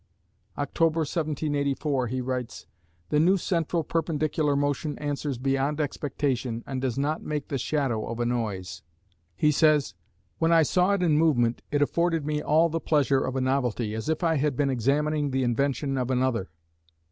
October, 1784, he writes: The new central perpendicular motion answers beyond expectation, and does not make the shadow of a noise. He says: When I saw it in movement, it afforded me all the pleasure of a novelty, as if I had been examining the invention of another.